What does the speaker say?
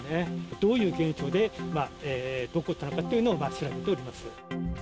どういう現象で、どう起こったかというのを今、調べております。